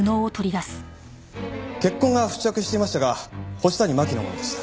血痕が付着していましたが星谷真輝のものです。